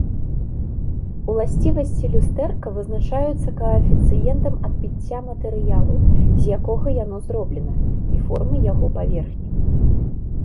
Уласцівасці люстэрка вызначаюцца каэфіцыентам адбіцця матэрыялу, з якога яно зроблена, і формай яго паверхні.